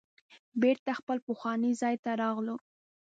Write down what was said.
بیرته خپل پخواني ځای ته راغلو.